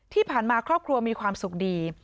ที่ผ่านมาครอบครัวมีความสุขดี